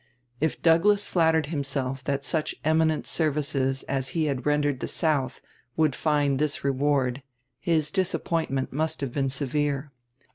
If Douglas flattered himself that such eminent services as he had rendered the South would find this reward, his disappointment must have been severe.